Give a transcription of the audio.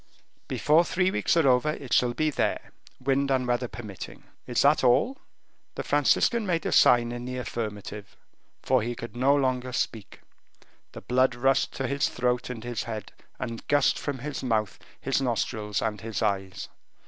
"Before three weeks are over it shall be there, wind and weather permitting. Is that all?" The Franciscan made a sign in the affirmative, for he could no longer speak; the blood rushed to his throat and his head, and gushed from his mouth, his nostrils, and his eyes.